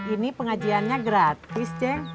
ini pengajiannya gratis jang